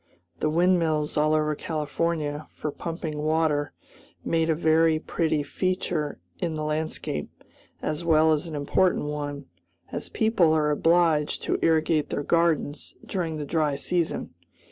The windmills all over California, for pumping water, make a very pretty feature in the landscape, as well as an important one, as people are obliged to irrigate their gardens during the dry season.